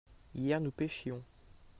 hier nous pêchions.